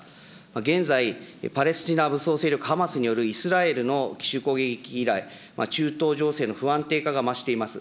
現在、パレスチナ武装勢力ハマスによるイスラエルの奇襲攻撃以来、中東情勢の不安定化が増しています。